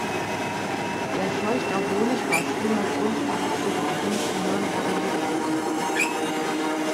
Der Feuchter Honig war früher Grundlage für die berühmten Nürnberger Lebkuchen.